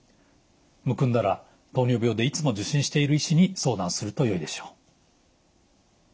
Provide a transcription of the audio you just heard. むくんだら糖尿病でいつも受診している医師に相談するとよいでしょう。